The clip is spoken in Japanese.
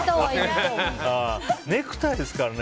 ネクタイですからね。